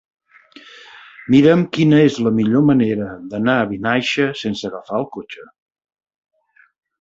Mira'm quina és la millor manera d'anar a Vinaixa sense agafar el cotxe.